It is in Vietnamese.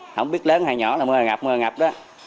không biết lớn hay nhỏ là mưa là ngập mưa là ngập đó